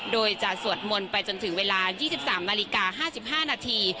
โดยจะสวดมนต์ไปจนถึงเวลา๒๓นาฬิกา๕๕นาที